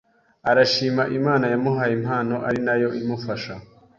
arashima Imana yamuhaye impano ari nayo imufasha